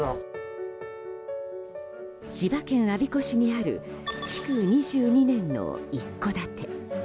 千葉県我孫子市にある築２２年の一戸建て。